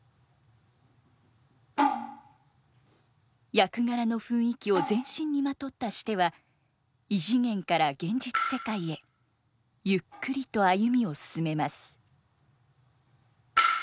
役柄の雰囲気を全身にまとったシテは異次元から現実世界へゆっくりと歩みを進めます。